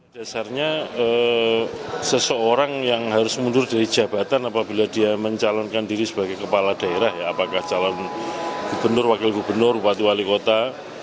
dasarnya seseorang yang harus mundur dari jabatan apabila dia mencalonkan diri sebagai kepala daerah ya apakah calon gubernur wakil gubernur bupati wali kota